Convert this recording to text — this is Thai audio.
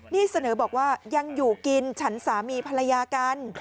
นี่เสนอบอกว่ายังอยู่กินฉันสามีภรรยากัน